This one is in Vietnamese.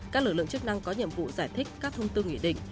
các lực lượng chức năng có nhiệm vụ giải thích các thông tư nghị định